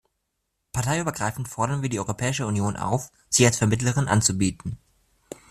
Parteiübergreifend fordern wir die Europäische Union auf, sich als Vermittlerin anzubieten.